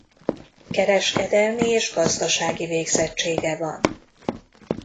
Kereskedelmi és gazdasági végzettsége van.